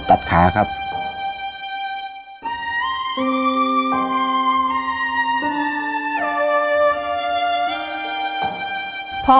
ที่เป็นพระเจ้า